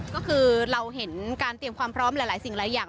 ก็คือเราเห็นการเตรียมความพร้อมหลายสิ่งหลายอย่าง